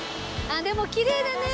あっきれいだね。